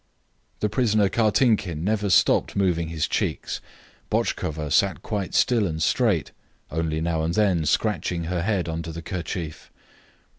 The prisoner Kartinkin never stopped moving his cheeks. Botchkova sat quite still and straight, only now and then scratching her head under the kerchief.